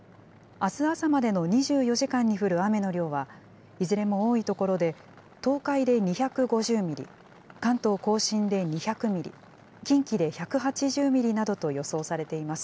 あす朝までの２４時間に降る雨の量は、いずれも多い所で、東海で２５０ミリ、関東甲信で２００ミリ、近畿で１８０ミリなどと予想されています。